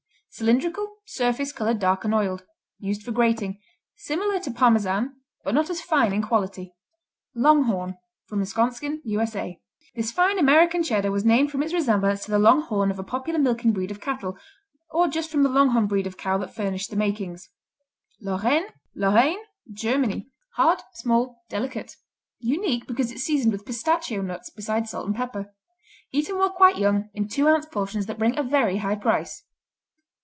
Cylindrical; surface colored dark and oiled. Used for grating. Similar to Parmesan but not as fine in quality. Longhorn Wisconsin, U.S.A. This fine American Cheddar was named from its resemblance to the long horn of a popular milking breed of cattle, or just from the Longhorn breed of cow that furnished the makings. Lorraine Lorraine, Germany Hard; small; delicate; unique because it's seasoned with pistachio nuts besides salt and pepper. Eaten while quite young, in two ounce portions that bring a very high price.